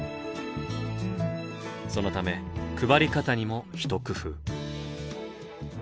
そのため配り方にも一工夫。